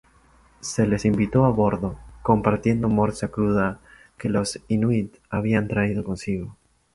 Se les invitó a bordo, compartiendo morsa cruda que los inuit habían traído consigo.